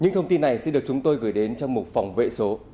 những thông tin này xin được chúng tôi gửi đến trong một phòng vệ số